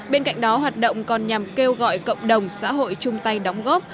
bên cạnh đó hoạt động còn nhằm kêu gọi cộng đồng xã hội chung tay đóng góp